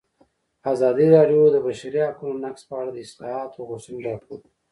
ازادي راډیو د د بشري حقونو نقض په اړه د اصلاحاتو غوښتنې راپور کړې.